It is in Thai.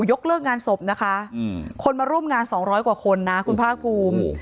ยกเลิกงานศพนะคะคนมาร่วมงาน๒๐๐กว่าคนนะคุณภาคภูมิ